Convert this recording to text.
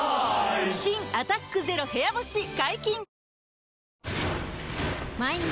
新「アタックＺＥＲＯ部屋干し」解禁‼